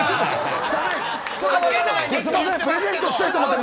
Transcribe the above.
汚い！